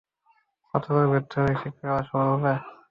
ছাত্ররা ব্যর্থ হলে কি শিক্ষকেরা সফল হবে?